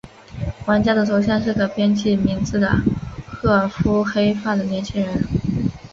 玩家的头像是可编辑名字的褐肤黑发的年轻人。